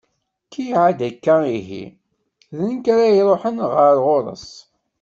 Kiɛad akka ihi, d nekk ara iruḥen ɣer ɣur-s.